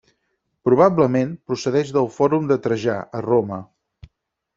Probablement, procedeix del Fòrum de Trajà, a Roma.